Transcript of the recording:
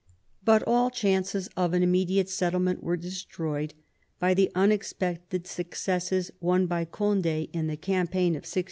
But all chances of an immediate settlement were destroyed by the unexpected successes won by Cond^ in the campaign of 1656.